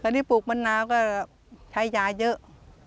ตอนนี้ปลูกมะนาวก็ใช้ยาเยอะ